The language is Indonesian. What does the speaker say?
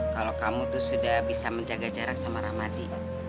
kalau kamu tuh sudah bisa menjaga jarak sama ramadi